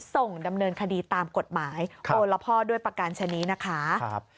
ส่งดำเนินคดีตามกฎหมายโอละพ่อด้วยประกันชนิดนะคะ